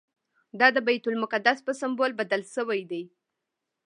دا د بیت المقدس په سمبول بدل شوی دی.